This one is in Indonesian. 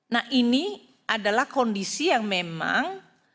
nah ini adalah kondisi yang memang